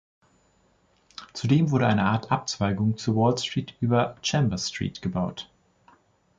Zudem wurde eine Art Abzweigung zur Wall Street über Chambers Street gebaut.